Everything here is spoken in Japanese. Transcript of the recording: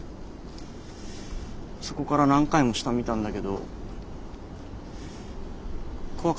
そこから何回も下見たんだけど怖かったりしてやめた。